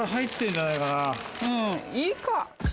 うんいいか。